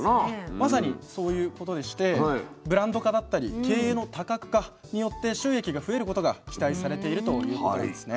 まさにそういうことでしてブランド化だったり経営の多角化によって収益が増えることが期待されているということですね。